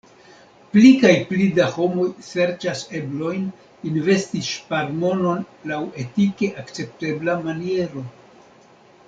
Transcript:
Pli kaj pli da homoj serĉas eblojn investi ŝparmonon laŭ etike akceptebla maniero.